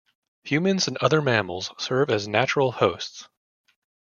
Humans and other mammals serve as natural hosts.